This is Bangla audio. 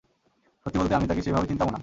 সত্যি বলতে, আমি তাকে সেইভাবে চিনতামও না।